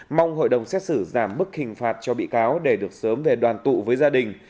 mong hội đồng xét xử giảm bức hình phạt cho bị cáo để được sớm về đoàn tụ với gia đình